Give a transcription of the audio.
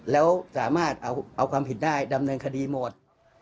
แล้วสามารถเอาความผิดได้ดำเนินคดีหมด